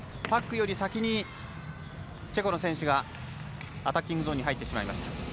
パックより先にチェコの選手がアタッキングゾーンに入ってしまいました。